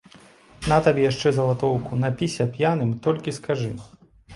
На табе яшчэ залатоўку, напіся п'яным, толькі скажы.